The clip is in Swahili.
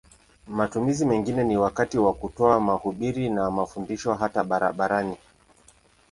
Matumizi mengine ni wakati wa kutoa mahubiri na mafundisho hata barabarani.